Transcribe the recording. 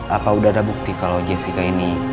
apa udah ada bukti kalau jessica ini